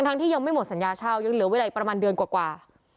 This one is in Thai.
ที่ยังไม่หมดสัญญาเช่ายังเหลือเวลาอีกประมาณเดือนกว่า